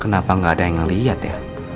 kenapa gak ada yang liat ya